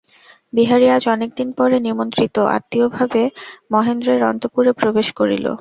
বিহারী আজ অনেক দিন পরে নিমন্ত্রিত-আত্মীয়ভাবে মহেন্দ্রের অন্তঃপুরে প্রবেশ করিল।